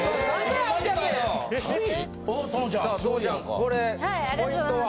これポイントは？